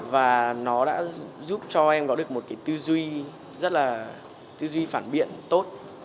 và nó đã giúp cho em có được một cái tư duy rất là tư duy phản biện tốt